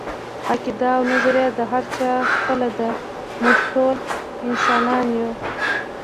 عقیده او نظريه د هر چا خپله ده، موږ ټول انسانان يو